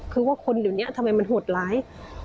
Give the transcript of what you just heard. คือว่าคนเดี๋ยวนี้ทำไมมันโหดร้าย